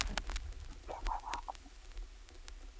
以此得来的收入让建筑师有足够的预算保证成事。